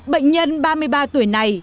bệnh nhân ba mươi ba tuổi này